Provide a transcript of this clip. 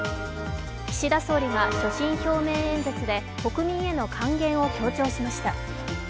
岸田総理が所信表明演説で国民への還元を強調しました。